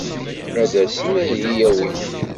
Ad d-asen ad iyi-yawin.